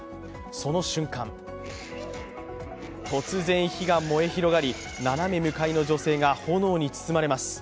その瞬間、突然火が燃え広がり、斜め向かいの女性が炎に包まれます。